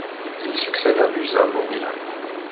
Il succède à Musa Movilă.